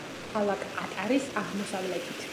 ქალაქ ატარის აღმოსავლეთით.